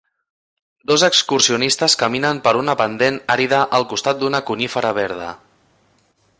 Dos excursionistes caminen per una pendent àrida al costat d'una conífera verda.